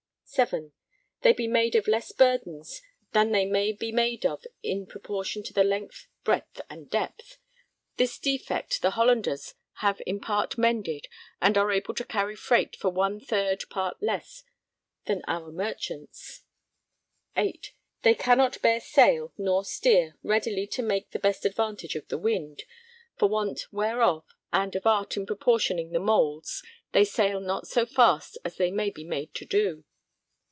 (7) They be made of less burdens than they may be made of in proportion to the length, breadth and depth. This defect the Hollanders have in part mended and are able to carry freight for one third part less than our Merchants. (8) They cannot bear sail nor steer readily to make the best advantage of the wind, for want whereof, and of art in proportioning the Moulds, they sail not so fast as they may be made to do.